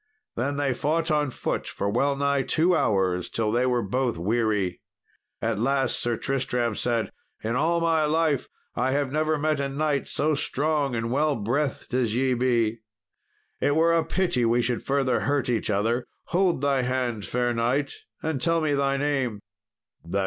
Then they fought on foot for well nigh two hours, till they were both weary. At last Sir Tristram said, "In all my life I never met a knight so strong and well breathed as ye be. It were a pity we should further hurt each other. Hold thy hand, fair knight, and tell me thy name."